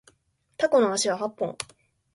タコの足は八本